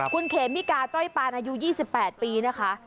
คุณเขมิกาจ้อยปานอายุ๒๘ปีนะคะ